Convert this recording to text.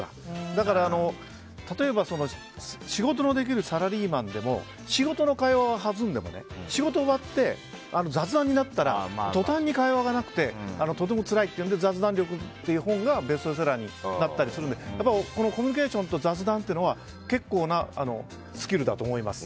だから、例えば仕事のできるサラリーマンでも仕事の会話は弾んでも仕事終わって雑談になったら途端に会話がなくてとてもつらいっていうので雑談力という本がベストセラーになったりするのでこのコミュニケーションと雑談っていうのは結構なスキルだと思います。